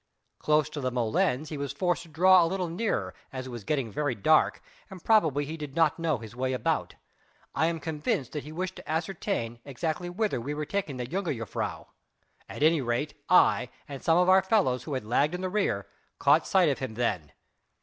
Close to the molens he was forced to draw a little nearer as it was getting very dark and probably he did not know his way about. I am convinced that he wished to ascertain exactly whither we were taking the jongejuffrouw. At any rate, I and some of our fellows who had lagged in the rear caught sight of him then...."